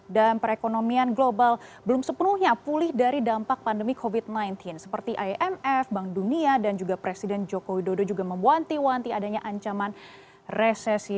dan perekonomian global belum sepenuhnya pulih dari dampak pandemi covid sembilan belas seperti imf bank dunia dan juga presiden joko widodo juga memuanti muanti adanya ancaman resesi